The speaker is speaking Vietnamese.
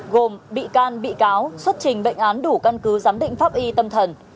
gồm bị can bị cáo xuất trình bệnh án đủ căn cứ giám định pháp y tâm thần